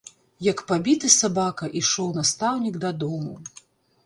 Як пабіты сабака, ішоў настаўнік дадому.